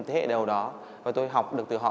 thế hệ đầu đó và tôi học được từ họ